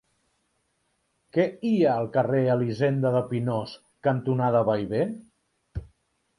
Què hi ha al carrer Elisenda de Pinós cantonada Bellver?